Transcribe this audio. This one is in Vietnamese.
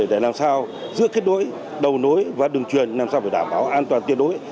để làm sao giữa kết nối đầu nối và đường truyền làm sao phải đảm bảo an toàn tuyệt đối